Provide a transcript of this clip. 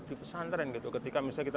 di pesantren gitu ketika misalnya kita